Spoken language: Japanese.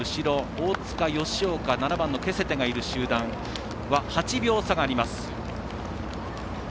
大塚、吉岡、ケセテがいる集団８秒差があります。